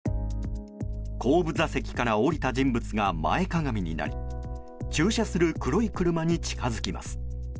後部座席から降りた人物が前かがみになり駐車する黒い車に近づきます。